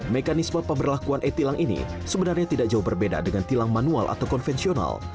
mekanisme pemberlakuan e tilang ini sebenarnya tidak jauh berbeda dengan tilang manual atau konvensional